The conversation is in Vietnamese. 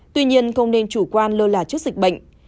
tuy nhiên không nên chủ quan lơ là trước dịch bệnh